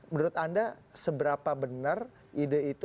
menurut anda seberapa benar ide itu